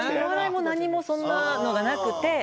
お笑いも何もそんなのがなくて。